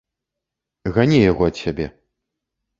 Гані яго ад сябе!